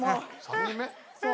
３人目。